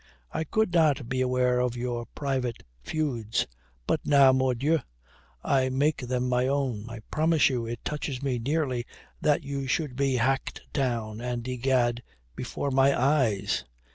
I could not be aware of your private feuds. But now, mordieu, I make them my own. I promise you, it touches me nearly that you should be hacked down, and egad, before my eyes."